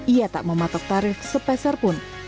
ia tak mematok tarif sepeserpun